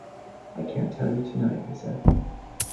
"I can't tell you tonight," he said.